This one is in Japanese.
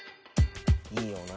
いいよな。